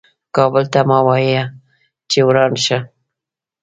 کابل ته مه وایه چې وران شه .